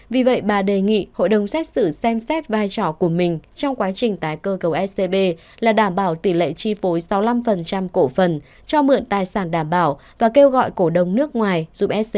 vì vậy bà đề nghị hội đồng xét xử xem xét vai trò của mình trong quá trình tái cơ cầu scb là đảm bảo tỷ lệ chi phối sáu mươi năm cổ phiên